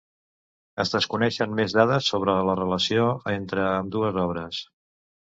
Es desconeixen més dades sobre la relació entre ambdues obres.